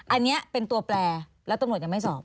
อันนี้เป็นตัวแปลแล้วตำรวจยังไม่สอบ